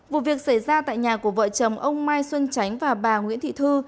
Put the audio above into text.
vụ việc xảy ra tại nhà của vợ chồng ông mai xuân tránh và bà nguyễn thị thư